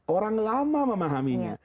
orang lama memahaminya